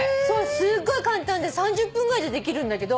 すごい簡単で３０分くらいでできるんだけど。